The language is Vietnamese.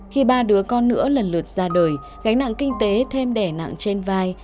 khi ba đứa con nữa lần lượt ra đời gánh nặng kinh tế thêm đẻ nặng trên vai